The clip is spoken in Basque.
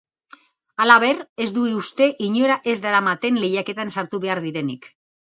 Halaber, ez du uste inora ez daramaten lehietan sartu behar direnik.